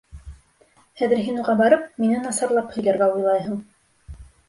Хәҙер һин уға барып, мине насарлап һөйләргә уйлайһың!